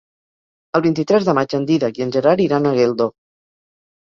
El vint-i-tres de maig en Dídac i en Gerard iran a Geldo.